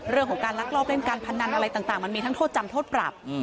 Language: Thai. เรื่องของการลักลอบเล่นการพนันอะไรต่างมันมีทั้งโทษจำโทษปรับ